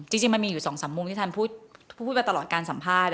จริงมันมีอยู่๒๓มุมที่ท่านพูดมาตลอดการสัมภาษณ์